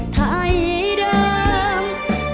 ไทยเดิม